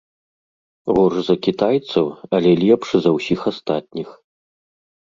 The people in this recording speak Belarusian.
Горш за кітайцаў, але лепш за ўсіх астатніх.